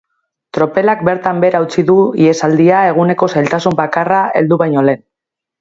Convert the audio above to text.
Tropelak bertan behera utzi du ihesaldia eguneko zailtasun bakarra heldu baino lehen.